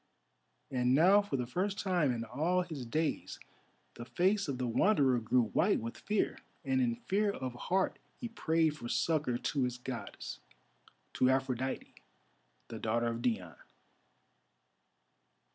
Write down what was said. And now for the first time in all his days the face of the Wanderer grew white with fear, and in fear of heart he prayed for succour to his Goddess—to Aphrodite, the daughter of Dione.